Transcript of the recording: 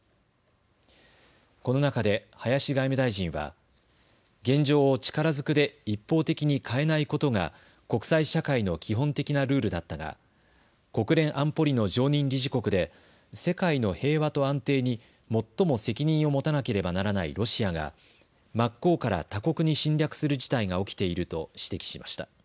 この中で林外務大臣は現状を力ずくで一方的に変えないことが国際社会の基本的なルールだったが国連安保理の常任理事国で世界の平和と安定に最も責任を持たなければならないロシアが真っ向から他国に侵略する事態が起きていると指摘しました。